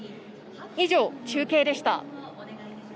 以上、中継でした。